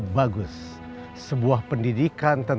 boleh keliling kan